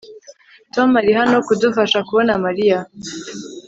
Tom ari hano kudufasha kubona Mariya